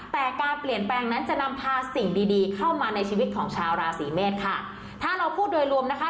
แต่การเปลี่ยนแปลงนั้นจะนำพาสิ่งดีดีเข้ามาในชีวิตของชาวราศีเมษค่ะถ้าเราพูดโดยรวมนะคะ